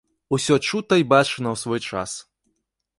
Усё чута й бачана ў свой час.